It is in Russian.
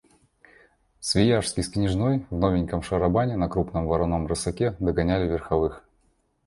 Свияжский с княжной в новеньком шарабане на крупном вороном рысаке догоняли верховых.